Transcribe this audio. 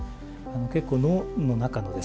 結構脳の中のですね